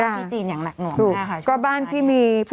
กรมป้องกันแล้วก็บรรเทาสาธารณภัยนะคะ